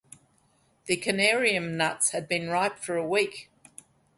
The canarium nuts had been ripe for a week.